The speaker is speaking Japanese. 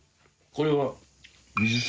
これは。